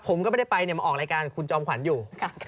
ผมก็ไม่ได้ไปมาออกรายการคุณจอมขวัญอยู่